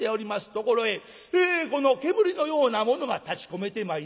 ところへこの煙のようなものが立ちこめてまいりまして